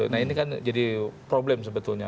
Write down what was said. nah ini kan jadi problem sebetulnya